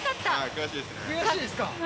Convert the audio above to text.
悔しいですね。